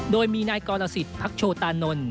โดยมีนายกรสิทธิพักโชตานนท์